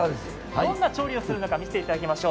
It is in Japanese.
どんな調理をするのか見せていただきましょう。